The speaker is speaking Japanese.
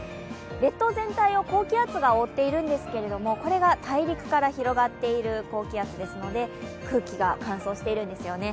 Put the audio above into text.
列島全体を高気圧が覆っているんですけれども、これが大陸から広がっている高気圧ですので空気が乾燥しているんですよね。